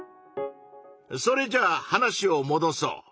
それじゃあ話をもどそう。